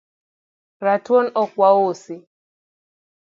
Ratuon ok wausi